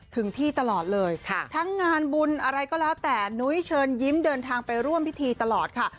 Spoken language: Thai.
ถึงที่ตลอดเลยทั้งงานบุญอะไรก็แล้วแต่นุ้ยเชิญยิ้มเดินทางไปร่วมพิธีตลอดค่ะ